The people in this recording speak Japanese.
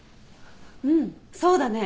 うんそうだね。